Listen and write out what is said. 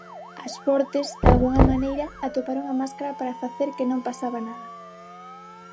As fortes, dalgunha maneira, atoparon a máscara para facer que non pasaba nada.